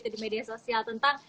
di media sosial tentang